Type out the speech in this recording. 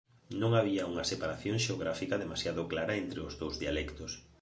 Non había unha separación xeográfica demasiado clara entre os dous dialectos.